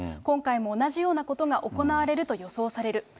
今回も同じようなことが行われると予想される。